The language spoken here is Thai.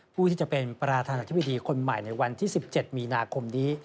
ผู้ที่จะเป็นประธานาธิบดีคนใหม่ในวันที่๑๗มีนาคมนี้